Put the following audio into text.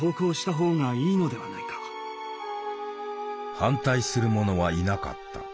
反対する者はいなかった。